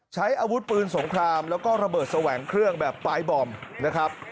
ใช้อาวุธปืนสงครามแล้วก็ระเบิดแสวงเครื่องแบบปลายบอมนะครับ